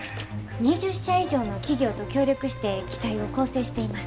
２０社以上の企業と協力して機体を構成しています。